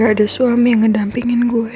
gak ada suami yang ngedampingin gue